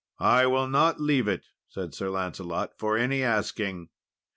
"] "I will not leave it," said Sir Lancelot, "for any asking."